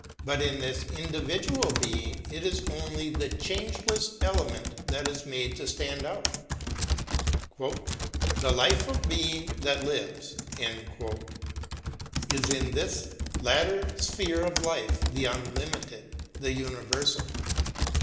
But in this individual being it is only the changeless element that is made to stand out. "The life of being that lives" is in this latter sphere of life the unlimited, the universal.